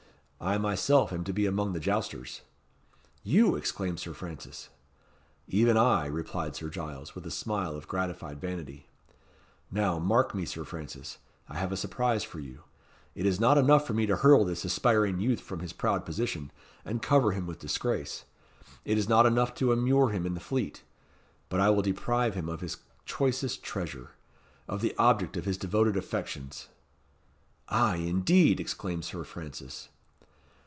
I myself am to be among the jousters." "You!" exclaimed Sir Francis. "Even I," replied Sir Giles, with a smile of gratified vanity. "Now, mark me, Sir Francis. I have a surprise for you. It is not enough for me to hurl this aspiring youth from his proud position, and cover him with disgrace it is not enough to immure him in the Fleet; but I will deprive him of his choicest treasure of the object of his devoted affections." "Ay, indeed!" exclaimed Sir Francis.